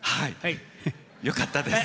よかったです。